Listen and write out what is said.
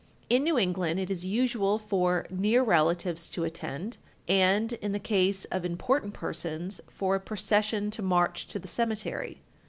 In New England it is usual for near relatives to attend; and, in the case of important persons, for a procession to march to the cemetery.